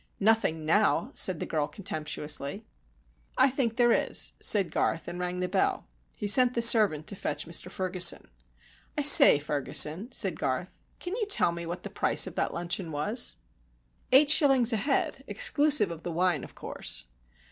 "Nothing now," said the girl, contemptuously. "I think there is," said Garth, and rang the bell. He sent the servant to fetch Mr Ferguson. "I say, Ferguson," said Garth, "can you tell me what the price of that luncheon was?" "Eight shillings a head, exclusive of the wine, of course."